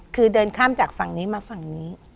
คือเดินข้ามจากฝั่งนี้มาฝั่งนี้